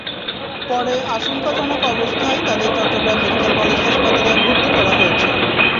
পরে আশঙ্কাজনক অবস্থায় তাঁদের চট্টগ্রাম মেডিকেল কলেজ হাসপাতালে ভর্তি করা হয়েছে।